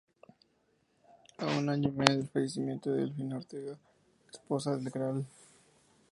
A un año y medio del fallecimiento de Delfina Ortega, esposa del Gral.